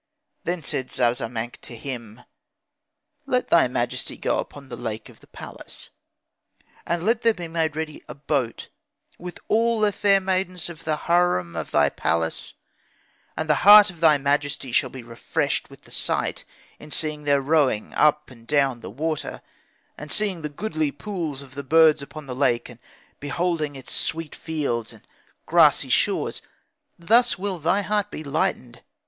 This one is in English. Then said Zazamankh to him, 'Let thy majesty go upon the lake of the palace, and let there be made ready a boat, with all the fair maidens of the harem of thy palace; and the heart of thy majesty shall be refreshed with the sight, in seeing their rowing up and down the water, and seeing the goodly pools of the birds upon the lake, and beholding its sweet fields and grassy shores; thus will thy heart be lightened.